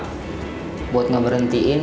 dia coba buat ngeberhentiin